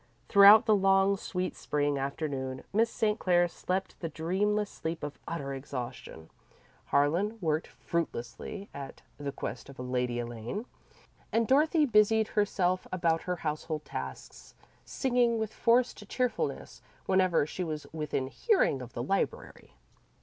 Throughout the long, sweet Spring afternoon, Miss St. Clair slept the dreamless sleep of utter exhaustion, Harlan worked fruitlessly at The Quest of Lady Elaine, and Dorothy busied herself about her household tasks, singing with forced cheerfulness whenever she was within hearing of the library.